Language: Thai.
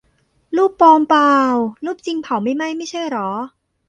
"รูปปลอมป่าว รูปจริงเผาไม่ไหม้ไม่ใช่เหรอ"